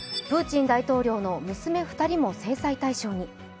プーチン大統領の娘２人も制裁対象に。